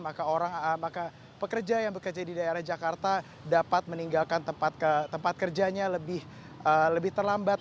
maka pekerja yang bekerja di daerah jakarta dapat meninggalkan tempat kerjanya lebih terlambat